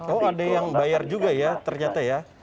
oh ada yang bayar juga ya ternyata ya